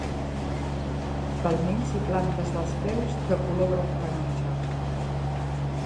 Palmells i plantes dels peus de color groc taronja.